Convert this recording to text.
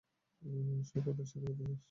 সব আনুষ্ঠানিকতা শেষ।